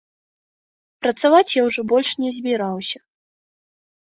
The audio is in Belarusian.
Працаваць я ўжо больш не збіраўся.